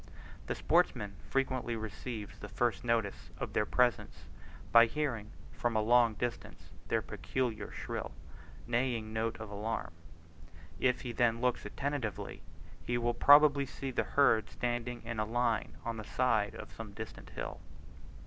The sportsman frequently receives the first notice of their presence, by hearing from a long distance their peculiar shrill neighing note of alarm. If he then looks attentively, he will probably see the herd standing in a line on the side of some distant hill.